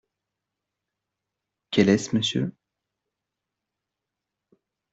Quel est ce monsieur ?